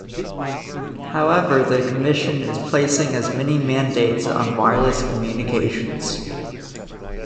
However the commission is placing as many mandates on wireless communications.